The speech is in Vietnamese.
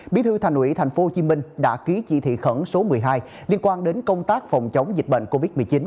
bí thư thành ủy tp hcm đã ký chỉ thị khẩn số một mươi hai liên quan đến công tác phòng chống dịch bệnh covid một mươi chín